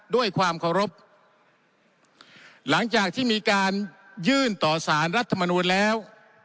ด้วยความเคารพหลังจากที่มีการยื่นต่อสารรัฐมนูลแล้ว